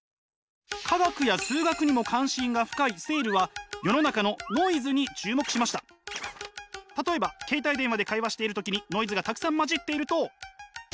科学や数学にも関心が深いセールは例えば携帯電話で会話している時にノイズがたくさん混じっていると。